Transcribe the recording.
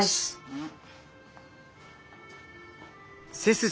うん。